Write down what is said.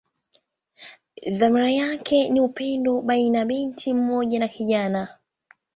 Dhamira yake ni upendo baina binti mmoja na kijana.